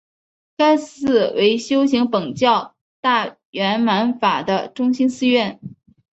该寺为修习苯教大圆满法的中心寺院。